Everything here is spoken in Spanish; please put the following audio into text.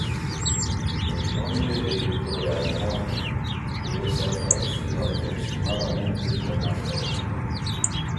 El nombre de "Doraemon" puede ser traducido aproximadamente como "perdido".